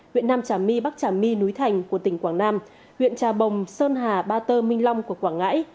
huyện nam trà my bắc trà my núi thành của tỉnh quảng nam huyện trà bồng sơn hà ba tơ minh long của quảng ngãi